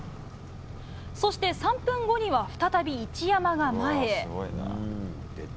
そして３分後には再び一山が前へ。